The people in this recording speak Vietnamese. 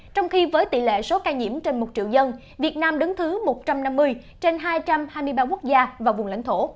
trong khi với tỷ lệ số ca nhiễm trên một triệu dân việt nam đứng thứ một trăm năm mươi trên hai trăm hai mươi ba quốc gia và vùng lãnh thổ